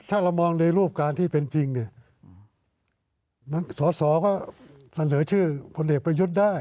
ถ้าเรามองในรูปการที่เป็นจริงเนี่ยสอสอก็เสนอชื่อพลเอกประยุทธ์ได้